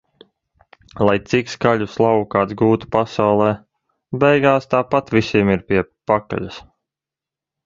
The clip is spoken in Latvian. Lai cik skaļu slavu kāds gūtu pasaulē - beigās tāpat visiem ir pie pakaļas.